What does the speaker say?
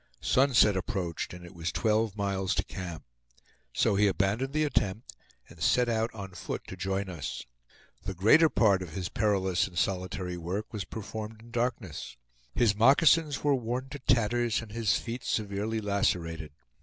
Sunset approached, and it was twelve miles to camp. So he abandoned the attempt, and set out on foot to join us. The greater part of his perilous and solitary work was performed in darkness. His moccasins were worn to tatters and his feet severely lacerated.